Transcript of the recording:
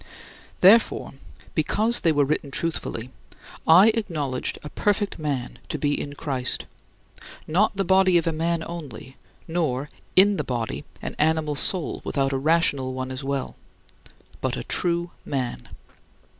Therefore, because they were written truthfully, I acknowledged a perfect man to be in Christ not the body of a man only, nor, in the body, an animal soul without a rational one as well, but a true man.